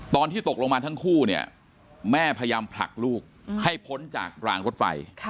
ตอนที่ตกลงมาทั้งคู่เนี่ยแม่พยายามผลักลูกให้พ้นจากรางรถไฟ